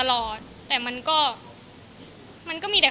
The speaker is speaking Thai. คิดเหมือนกันเลยว่า